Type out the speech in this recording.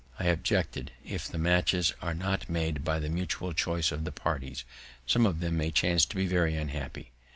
I objected, if the matches are not made by the mutual choice of the parties, some of them may chance to be very unhappy.